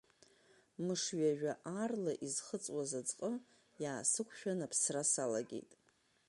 Мыш ҩажәа аарла изхыҵуаз аӡҟы, иаасықәшәан аԥсра салагеит.